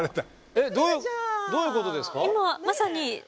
えっどういうどういうことですか？